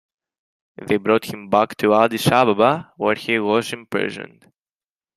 They brought him back to Addis Ababa, where he was imprisoned.